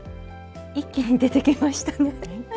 一気に出てきましたね。